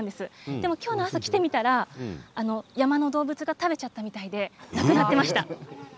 でも今日の朝、来てみたら山の動物が食べちゃったみたいでなくなっていました。